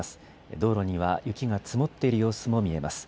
道路には雪が積もっている様子も見えます。